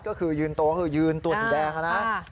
ก็คือยืนโตคือยืนตัวสีแดงนะ